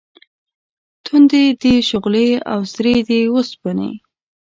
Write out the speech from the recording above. تُندې دي شغلې او سرې دي اوسپنې